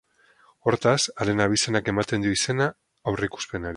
Hortaz, haren abizenak ematen dio izena aurreikuspenari.